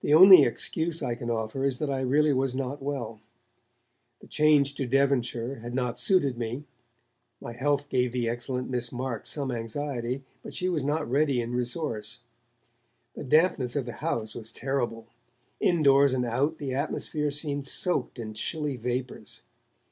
The only excuse I can offer is that I really was not well. The change to Devonshire had not suited me; my health gave the excellent Miss Marks some anxiety, but she was not ready in resource. The dampness of the house was terrible; indoors and out, the atmosphere seemed soaked in chilly vapours.